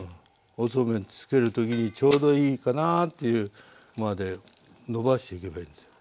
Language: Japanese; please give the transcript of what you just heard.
おそうめんつける時にちょうどいいかなっていうまでのばしていけばいいんですよ。